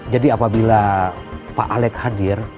jadi apabila pak alec hadir